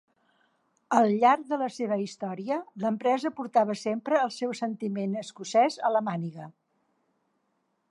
Al llarg de la seva història, l'empresa portava sempre el seu sentiment escocès a la màniga.